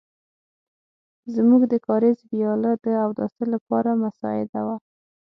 زموږ د کاریز وياله د اوداسه لپاره مساعده وه.